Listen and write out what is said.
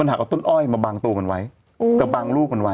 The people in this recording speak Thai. หากเอาต้นอ้อยมาบังตัวมันไว้กระบังลูกมันไว้